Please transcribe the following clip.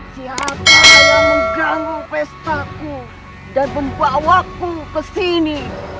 siapa yang mengganggu pestaku dan membawa aku kesini